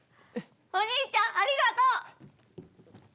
おにいちゃんありがとう！